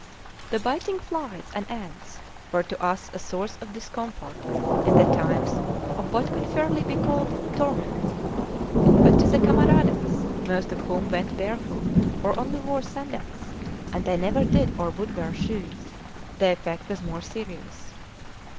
The biting flies and ants were to us a source of discomfort and at times of what could fairly be called torment. But to the camaradas, most of whom went barefoot or only wore sandals and they never did or would wear shoes the effect was more serious.